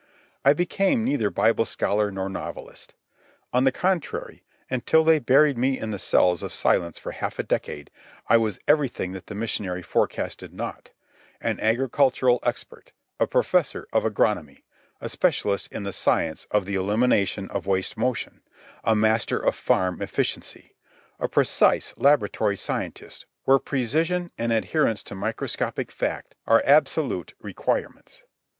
I became neither Bible scholar nor novelist. On the contrary, until they buried me in the cells of silence for half a decade, I was everything that the missionary forecasted not—an agricultural expert, a professor of agronomy, a specialist in the science of the elimination of waste motion, a master of farm efficiency, a precise laboratory scientist where precision and adherence to microscopic fact are absolute requirements.